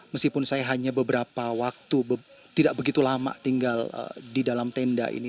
meskipun saya hanya beberapa waktu tidak begitu lama tinggal di dalam tenda ini